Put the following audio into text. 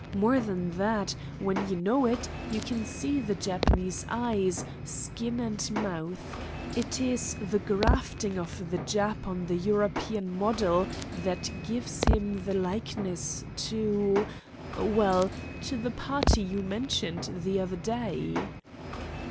More than that, when you know it, you can see the Japanese eyes, skin, and mouth. It is the grafting of the Jap on the European model that gives him the likeness to well, to the party you mentioned the other day."